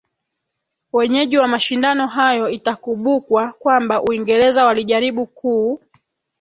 wenyeji wa mashindano hayo itakubukwa kwamba uingereza walijaribu kuu